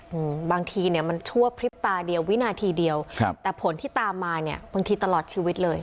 อืมบางทีเนี้ยมันชั่วพริบตาเดียววินาทีเดียวครับแต่ผลที่ตามมาเนี้ยบางทีตลอดชีวิตเลย